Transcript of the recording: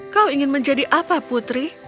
kau ingin menjadi apa putri